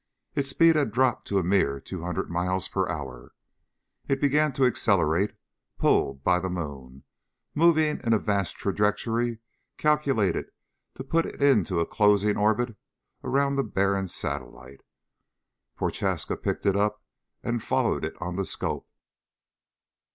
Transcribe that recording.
Its speed had dropped to a mere two hundred miles per hour. It began to accelerate, pulled by the moon, moving in a vast trajectory calculated to put it into a closing orbit around the barren satellite. Prochaska picked it up and followed it on the scope.